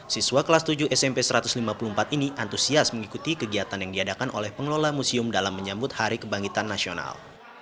siswa kelas tujuh smp satu ratus lima puluh empat ini antusias mengikuti kegiatan yang diadakan oleh pengelola museum dalam menyambut hari kebangkitan nasional